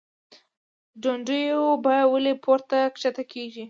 دونډیو بیه ولۍ پورته کښته کیږي؟